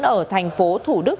ở thành phố thủ đức